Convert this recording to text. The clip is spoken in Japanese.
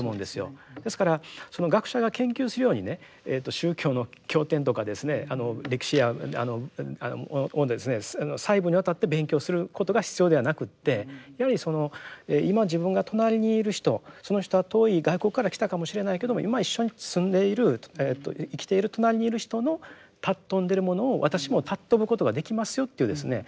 ですから学者が研究するようにね宗教の経典とかですね歴史や細部にわたって勉強することが必要ではなくってやはり今自分が隣にいる人その人は遠い外国から来たかもしれないけども今一緒に住んでいる生きている隣にいる人の尊んでるものを私も尊ぶことができますよというですね